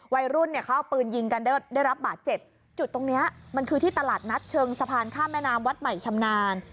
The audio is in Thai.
วัยรุ่นเนี่ยเขาเอาปืนยิงกันได้รับบาดเจ็บจุดตรงเนี้ยมันคือที่ตลาดนัดเชิงสะพานข้ามแม่น้ำวัดใหม่ชำนาญ